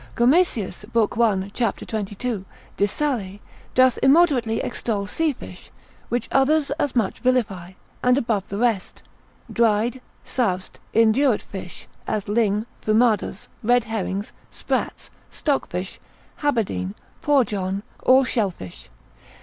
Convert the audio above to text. Gomesius, lib. 1. c. 22, de sale, doth immoderately extol sea fish, which others as much vilify, and above the rest, dried, soused, indurate fish, as ling, fumados, red herrings, sprats, stock fish, haberdine, poor John, all shellfish.